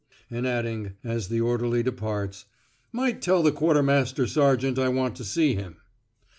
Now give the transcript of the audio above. and adding, as the orderly departs, "Might tell the quartermaster sergeant I want to see him."